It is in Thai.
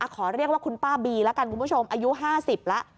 ขอเรียกว่าคุณป้าบีแล้วกันคุณผู้ชมอายุ๕๐แล้ว